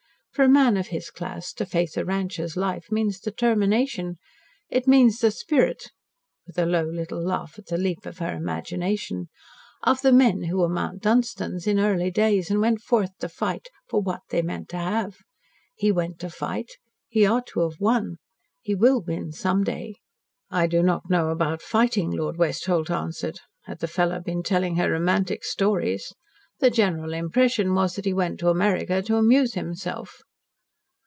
For a man of his class to face a rancher's life means determination. It means the spirit " with a low little laugh at the leap of her imagination "of the men who were Mount Dunstans in early days and went forth to fight for what they meant to have. He went to fight. He ought to have won. He will win some day." "I do not know about fighting," Lord Westholt answered. Had the fellow been telling her romantic stories? "The general impression was that he went to America to amuse himself."